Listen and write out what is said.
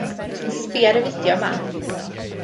Sbïa ar y fideo 'ma.